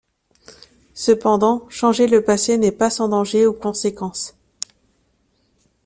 Cependant, changer le passé n'est pas sans danger ou conséquences…